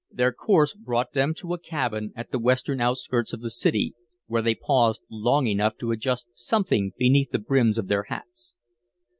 Their course brought them to a cabin at the western outskirts of the city, where they paused long enough to adjust something beneath the brims of their hats.